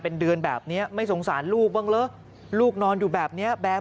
เป็นเดือนแบบนี้ไม่สงสารลูกบ้างเหรอลูกนอนอยู่แบบนี้แบบ